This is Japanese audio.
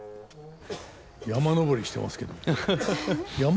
山登りしてますけど。